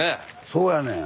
そうやねん。